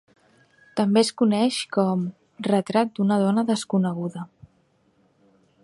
També es coneix com "Retrat d'una dona desconeguda".